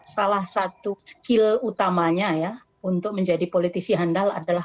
salah satu skill utamanya ya untuk menjadi politisi handal adalah